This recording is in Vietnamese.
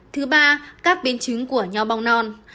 thứ ba các biến chứng của nhau bong non